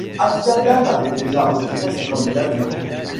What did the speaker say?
Amsterdam avait déjà retiré sa candidature.